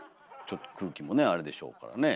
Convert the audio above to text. ちょっと空気もねあれでしょうからね